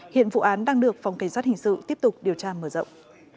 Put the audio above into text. hiện vụ án đang được phòng cảnh sát hình sự tiếp tục điều tra mở rộng